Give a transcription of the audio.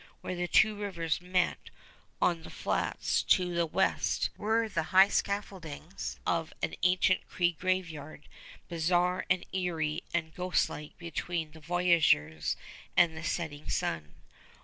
Where the two rivers met on the flats to the west were the high scaffoldings of an ancient Cree graveyard, bizarre and eerie and ghostlike between the voyageurs and the setting sun.